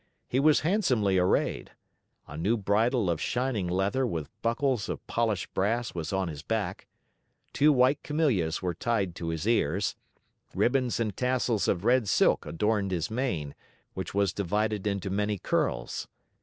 He was handsomely arrayed. A new bridle of shining leather with buckles of polished brass was on his back; two white camellias were tied to his ears; ribbons and tassels of red silk adorned his mane, which was divided into many curls.